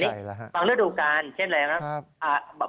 แต่นี่บางเรื่องดูการเช่นอะไรนะครับ